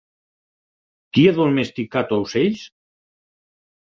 Qui ha domesticat ocells?